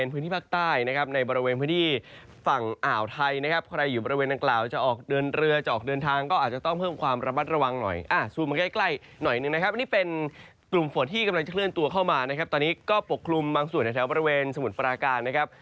เมื่อฝนที่กำลังจะเคลื่อนตัวเข้ามานะครับตอนนี้ก็ปกคลุมบางส่วนในแถวบริเวณสมุทรปราการนะครับ